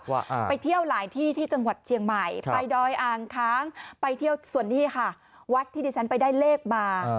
คุณถ่ายมาด้วยใช่ไหม